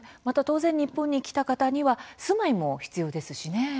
また当然、日本に来た方には住まいも必要ですしね。